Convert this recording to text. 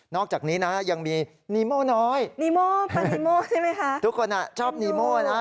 อกจากนี้นะยังมีนีโม่น้อยนีโม่ปานีโม่ใช่ไหมคะทุกคนชอบนีโม่นะ